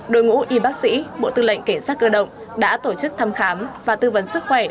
đội ngũ y bác sĩ bộ tư lệnh cảnh sát cơ động đã tổ chức thăm khám và tư vấn sức khỏe